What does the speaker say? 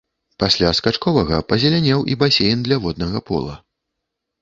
Пасля скачковага пазелянеў і басейн для воднага пола.